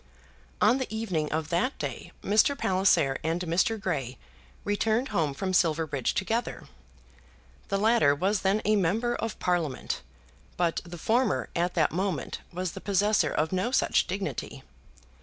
On the evening of that day Mr. Palliser and Mr. Grey returned home from Silverbridge together. The latter was then a Member of Parliament, but the former at that moment was the possessor of no such dignity.